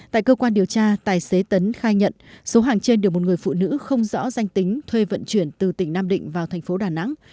tại cơ quan điều tra tài xế tấn khai nhận số hàng trên được một người phụ nữ không rõ danh tính thuê vận chuyển từ tỉnh nam định vào thành phố đà nẵng